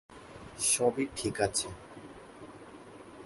সবই ঠিক আছে।